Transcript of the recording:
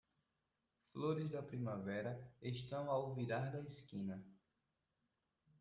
Flores da primavera estão ao virar da esquina